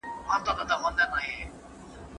د منابعو مدیریت مهم دی.